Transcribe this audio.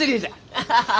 アハハハ。